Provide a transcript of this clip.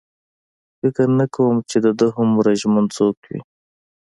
فکر نه کوم چې د ده هومره ژمن څوک و.